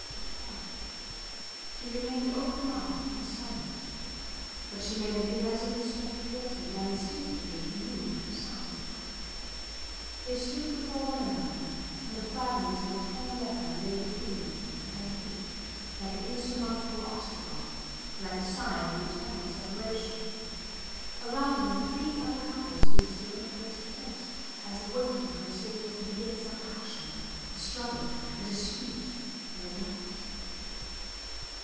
It hurt. He remained open mouthed and silent. But she made an irresolute step towards him, and instinctively he moved aside. They stood before one another, and the fragments of the torn letter lay between them at their feet like an insurmountable obstacle, like a sign of eternal separation! Around them three other couples stood still and face to face, as if waiting for a signal to begin some action a struggle, a dispute, or a dance.